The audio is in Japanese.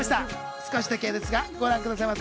少しだけですが、ご覧くださいませ。